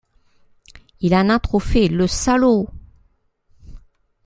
Il en a trop fait, le salaud !